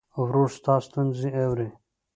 ورور ستا ستونزې اوري.